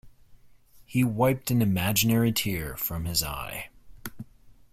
He wiped an imaginary tear from his eye.